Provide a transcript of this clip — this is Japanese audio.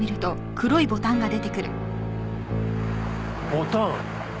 ボタン。